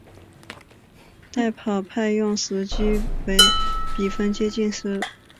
代跑派用时机为比分接近时。